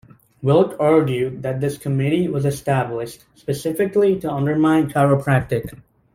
Wilk argued that this committee was established specifically to undermine chiropractic.